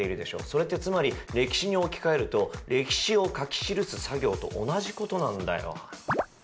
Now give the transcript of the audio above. それってつまり歴史に置き換えると歴史を書き記す作業と同じことなんだよ。